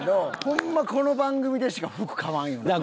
ホンマこの番組でしか服買わんよな。